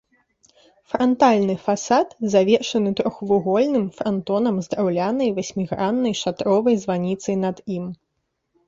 Франтальны фасад завершаны трохвугольным франтонам з драўлянай васьміграннай шатровай званіцай над ім.